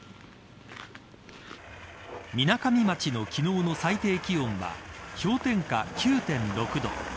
みなかみ町の昨日の最低気温は氷点下９．６度。